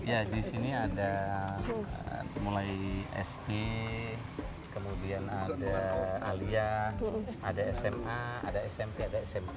ya di sini ada mulai sd kemudian ada alia ada sma ada smp ada smp